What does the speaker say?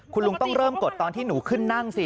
คุณลุงต้องเริ่มกดตอนที่หนูขึ้นนั่งสิ